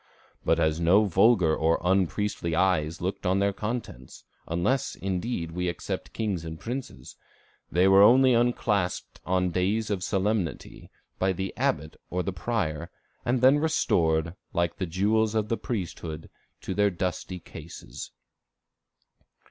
But no vulgar or unpriestly eyes looked on their contents, unless, indeed, we except kings and princes; they were only unclasped on days of solemnity, by the abbot or the prior, and then restored, like the jewels of the priesthood, to their dusty cases."